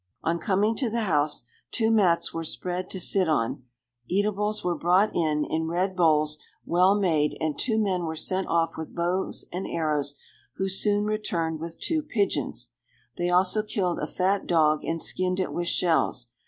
On coming to the house, two mats were spread to sit on, eatables were brought in, in red bowls, well made; and two men were sent off with bows and arrows, who soon returned with two pigeons. They also killed a fat dog, and skinned it with shells.